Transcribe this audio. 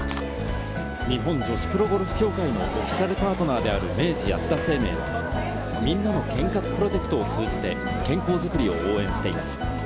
日本女子プロゴルフ協会のオフィシャルパートナーである明治安田生命は、「みんなの健活プロジェクト」を通じて健康づくりを応援しています。